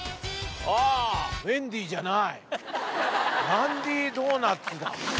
ランディードーナツだ！